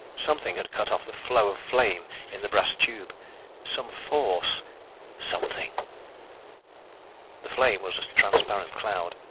Something had cut off the flow of flame in the brass tube. Some force, something ... The flame was a transparent cloud.